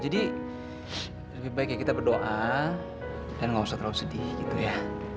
jadi lebih baik kita berdoa dan gak usah terlalu sedih gitu ya